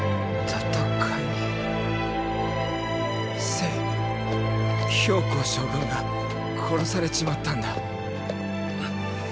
政公将軍が殺されちまったんだ。